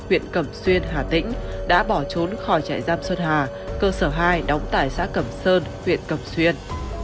huyện cẩm xuyên hà tĩnh đã bỏ trốn khỏi trại giam xuân hà cơ sở hai đóng tại xã cẩm sơn huyện cẩm xuyên